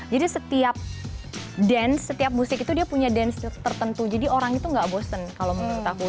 jadi setiap dance setiap musik itu dia punya dance tertentu jadi orang itu gak bosen kalau menurut aku